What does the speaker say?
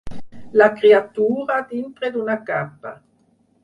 La criatura, dintre d'una capa